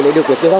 để điều tiết được